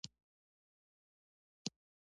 څراغ د اسمان، مړ پروت دی